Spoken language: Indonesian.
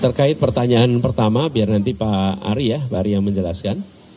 terkait pertanyaan pertama biar nanti pak ari ya pak ari yang menjelaskan